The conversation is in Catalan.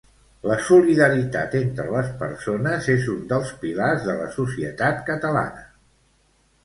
La solidaritat entre les persones és un dels pilars de la societat catalana.